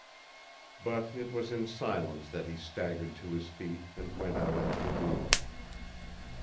But it was in silence that he staggered to his feet and went out into the gloom.